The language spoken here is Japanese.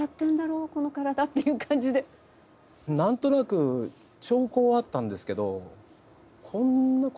何となく兆候はあったんですけどこんな。